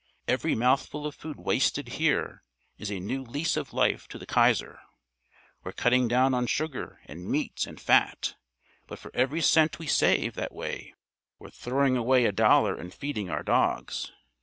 Every mouthful of food wasted here is a new lease of life to the Kaiser. We're cutting down on sugar and meat and fat, but for every cent we save that way we're throwing away a dollar in feeding our dogs.